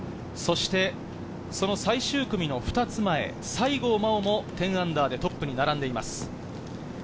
そして、この最終組の２つ前、西郷真央も−１０でトップに並んでいます。